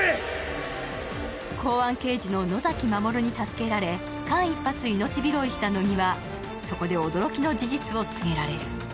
公安刑事の野崎守に助けられ間一髪、命拾いした乃木は、そこで驚きの事実を告げられる。